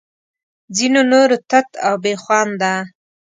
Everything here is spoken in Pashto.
ځینو نورو تت او بې خونده